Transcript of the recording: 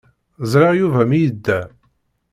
Ẓriɣ Yuba mi yedda.